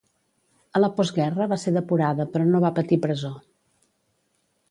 A la postguerra va ser depurada però no va patir presó.